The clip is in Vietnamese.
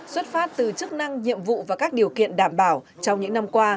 xuất phát từ chức năng nhiệm vụ và các điều kiện đảm bảo trong những năm qua